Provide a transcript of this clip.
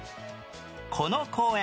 この公園